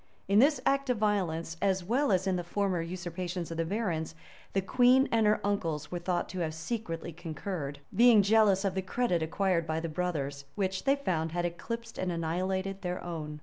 In this act of violence, as well as in the former usurpations of the barons, the queen and her uncles were thought to have secretly concurred; being jealous of the credit acquired by the brothers, which, they found, had eclipsed and annihilated their own.